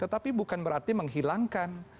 tetapi bukan berarti menghilangkan